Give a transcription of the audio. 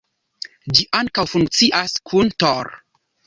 Ĝi ankaŭ funkcias kun Tor.